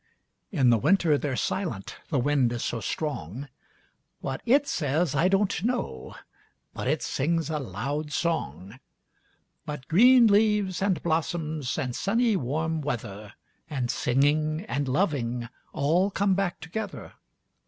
In the winter they're silent the wind is so strong; What it says, I don't know, but it sings a loud song. But green leaves, and blossoms, and sunny warm weather, 5 And singing, and loving all come back together.